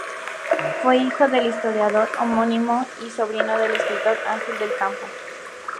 Fue hijo del historiador homónimo y sobrino del escritor Ángel del Campo.